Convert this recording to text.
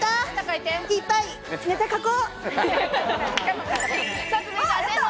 いっぱいネタ書こう。